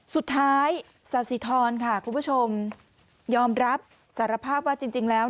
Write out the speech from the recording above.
สุดท้ายสาธิธรค่ะคุณผู้ชมยอมรับสารภาพว่าจริงแล้ว